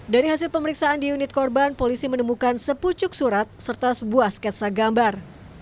dari hasil pemeriksaan di unit korban polisi menemukan sepucuk surat serta sebuah sketsa gambar